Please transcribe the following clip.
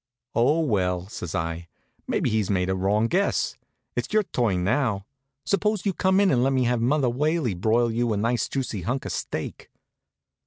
"Oh, well," says I, "maybe he's made a wrong guess. It's your turn now. Suppose you come in and let me have Mother Whaley broil you a nice juicy hunk of steak?"